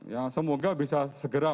ya semoga bisa segera